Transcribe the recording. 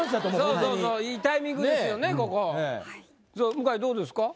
向井どうですか？